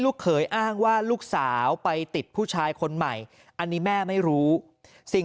เขยอ้างว่าลูกสาวไปติดผู้ชายคนใหม่อันนี้แม่ไม่รู้สิ่ง